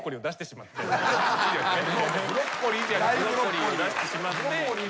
ブロッコリーを出してしまって。